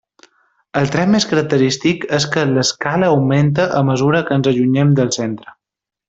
El tret més característic és que l'escala augmenta a mesura que ens allunyem del centre.